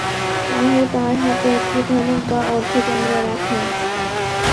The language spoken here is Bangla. রাহু তার হাতে একটি ধনুক বা অর্ধচন্দ্র রাখেন।